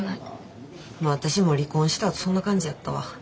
私も離婚したあとそんな感じやったわ。